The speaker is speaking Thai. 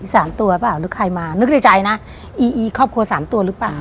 สามตัวเปล่าหรือใครมานึกในใจนะอีอีครอบครัวสามตัวหรือเปล่า